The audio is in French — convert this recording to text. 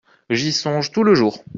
J’y songe tout le jour.